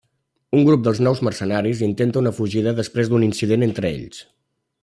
Un grup dels nous mercenaris intente una fugida després d'un incident entre ells.